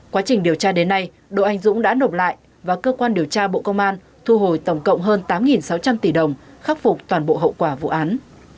quá trình điều tra đến nay đỗ anh dũng đã nộp lại và cơ quan điều tra bộ công an thu hồi tổng cộng hơn tám sáu trăm linh tỷ đồng khắc phục toàn bộ hậu quả vụ án